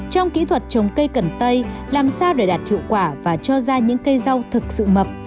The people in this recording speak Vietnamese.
trong kỹ thuật trồng cây cần tây làm sao để đạt hiệu quả và cho ra những cây rau thực sự mập